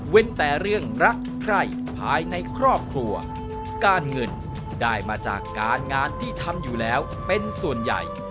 แต่เรื่องรักใครภายในครอบครัวการเงินได้มาจากการงานที่ทำอยู่แล้วเป็นส่วนใหญ่